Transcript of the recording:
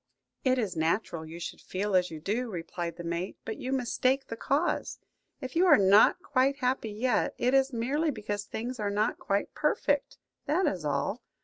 "It is natural you should feel as you do," replied the mate; "but you mistake the cause. If you are not quite happy yet, it is merely because things are not quite perfect, that is all.